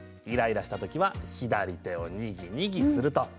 イライラしたときは左手をにぎにぎすると。